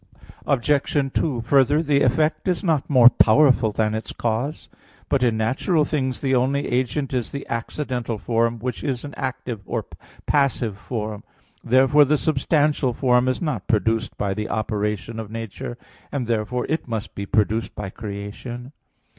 Obj. 2: Further, the effect is not more powerful than its cause. But in natural things the only agent is the accidental form, which is an active or a passive form. Therefore the substantial form is not produced by the operation of nature; and therefore it must be produced by creation.